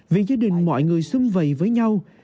vì gia đình mọi người xưng vầy với nhau